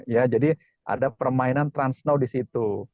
ya jadi ada permainan trans snow di situ